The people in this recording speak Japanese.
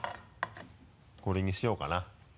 これにしようかな。